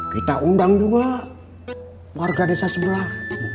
kita undang juga warga desa sebelah